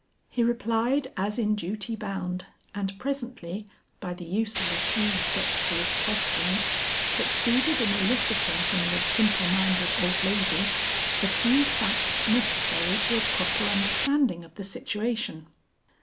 He replied as in duty bound, and presently by the use of a few dexterous questions succeeded in eliciting from this simple minded old lady, the few facts necessary to a proper understanding of the situation.